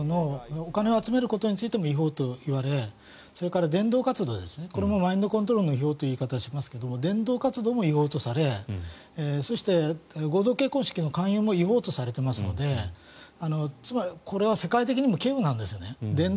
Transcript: お金を集めることについても違法といわれそれから伝道活動ですねこれもマインドコントロールの違法という言い方をされますが伝道活動も違法とされそして合同結婚式の勧誘も違法とされていますのでこれは世界的にも稀有なんです。